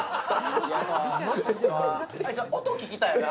音聞きたいよな。